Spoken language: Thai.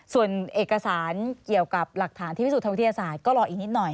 ส่วนเอกสารเกี่ยวกับหลักฐานที่พิสูจนทางวิทยาศาสตร์ก็รออีกนิดหน่อย